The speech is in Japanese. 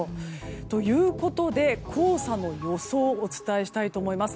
ということで、黄砂の予想をお伝えしたいと思います。